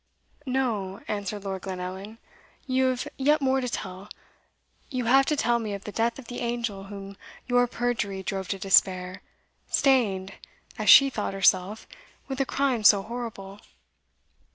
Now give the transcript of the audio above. "No," answered Lord Glenallan "you have yet more to tell you have to tell me of the death of the angel whom your perjury drove to despair, stained, as she thought herself, with a crime so horrible.